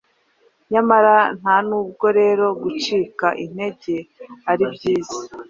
Nyamara ntanubwo rero gucika integer aribyiza,